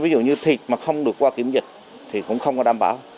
ví dụ như thịt mà không được qua kiểm dịch thì cũng không có đảm bảo